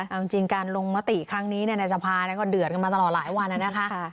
เอาจริงการลงมติครั้งนี้ในสภาก็เดือดกันมาตลอดหลายวันนะคะ